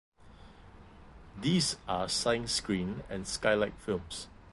These are Sine Screen and Skylight Films.